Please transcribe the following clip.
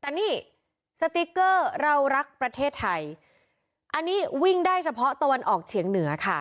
แต่นี่สติ๊กเกอร์เรารักประเทศไทยอันนี้วิ่งได้เฉพาะตะวันออกเฉียงเหนือค่ะ